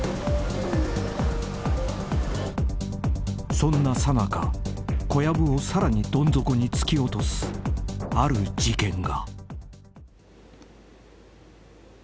［そんなさなか小籔をさらにどん底に突き落とすある事件が］